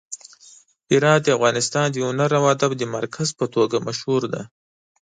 هرات د افغانستان د هنر او ادب د مرکز په توګه مشهور دی.